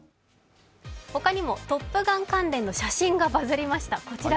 他にも「トップガン」関連の写真がバズりました。